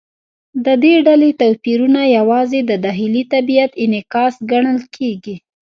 د دې ډلې توپیرونه یوازې د داخلي طبیعت انعکاس ګڼل کېږي.